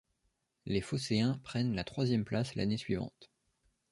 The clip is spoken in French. Les Phocéens prennent la troisième place l'année suivante.